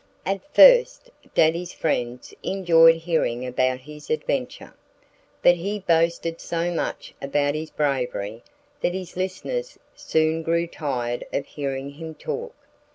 At first Daddy's friends enjoyed hearing about his adventure. But he boasted so much about his bravery that his listeners soon grew tired of hearing him talk.